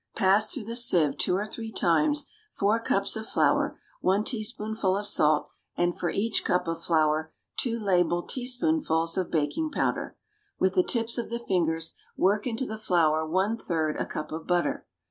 = Pass through the sieve two or three times four cups of flour, one teaspoonful of salt, and, for each cup of flour, two level teaspoonfuls of baking powder. With the tips of the fingers work into the flour one third a cup of butter.